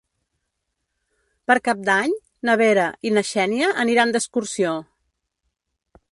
Per Cap d'Any na Vera i na Xènia aniran d'excursió.